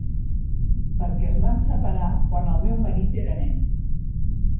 Perquè es van separar quan el meu marit era nen.